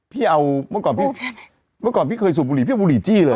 พี่เอาเมื่อก่อนพี่เมื่อก่อนพี่เคยสูบบุหรีพี่บุหรีจี้เลย